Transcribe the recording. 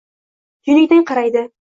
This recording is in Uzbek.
Tuynugidan qaraydi.